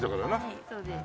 はいそうです。